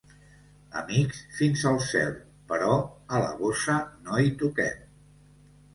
Amics fins al cel, però a la bossa no hi toquem.